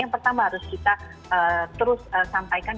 yang pertama harus kita terus sampaikan